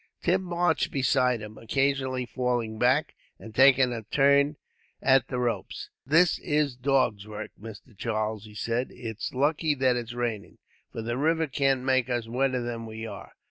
Tim marched beside him, occasionally falling back, and taking a turn at the ropes. "This is dog's work, Mister Charles," he said. "It's lucky that it's raining, for the river can't make us wetter than we are.